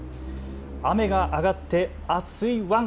雨が上がって暑いワン。